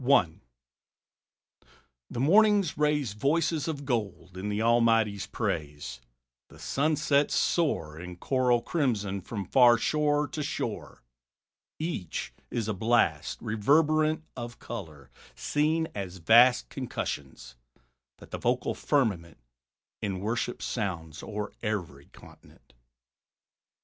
I. The mornings raise Voices of gold in the Almighty's praise; The sunsets soar In choral crimson from far shore to shore: Each is a blast, Reverberant, of color, seen as vast Concussions, that the vocal firmament In worship sounds o'er every continent.